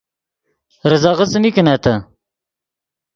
ریزغے څیمین کینتّے